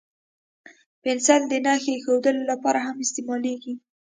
پنسل د نښې اېښودلو لپاره هم استعمالېږي.